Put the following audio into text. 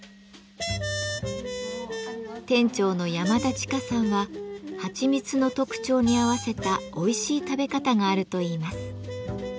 店長の山田千佳さんははちみつの特徴に合わせたおいしい食べ方があるといいます。